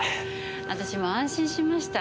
私も安心しました。